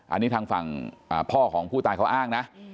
อันนี้ทางฝั่งพ่อของผู้ตายเขาอ้างนะ